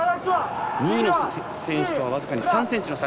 ２位の選手とは僅か３ｃｍの差。